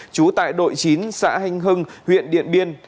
trú tại đội chín xã hanh hưng huyện điện biên